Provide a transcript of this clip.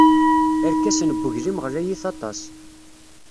Irkasen n weglim ɣlayit aṭas.